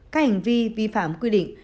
các hành vi vi phạm quy định